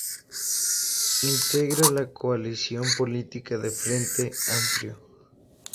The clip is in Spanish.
Integra la coalición política del Frente Amplio.